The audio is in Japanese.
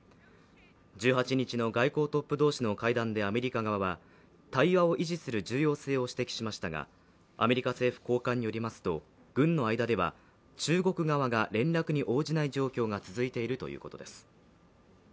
１８日の外交トップ同士の会談でアメリカ側は、対話を維持する重要性を指摘しましたが、アメリカ政府高官によりますと軍の間では中国側が連絡に応じない状況が続いているということです。